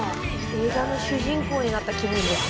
映画の主人公になった気分です。